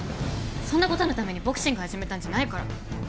そんな事のためにボクシング始めたんじゃないから。